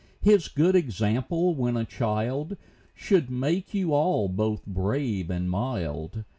His good example, when a child, Should make you all both brave and mild.